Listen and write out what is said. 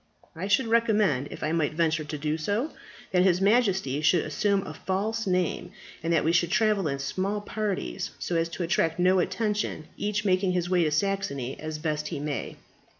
I should recommend, if I might venture to do so, that his Majesty should assume a false name, and that we should travel in small parties so as to attract no attention, each making his way to Saxony as best he may."